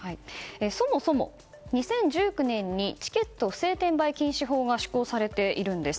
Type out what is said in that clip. そもそも、２０１９年にチケット不正転売禁止法が施行されているんです。